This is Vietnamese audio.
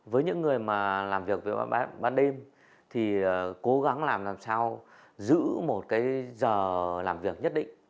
với những người làm việc ban đêm cố gắng làm làm sao giữ một giờ làm việc nhất định